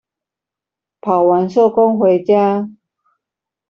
跑完收工回家